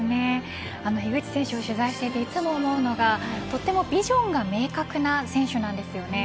樋口選手を取材していていつも思うのがとてもビジョンが明確な選手なんです。